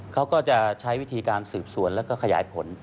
เขาก็จะใช้วิธีการสืบสวนแล้วก็ขยายผล